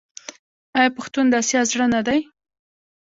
آیا پښتون د اسیا زړه نه دی؟